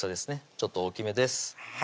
ちょっと大きめです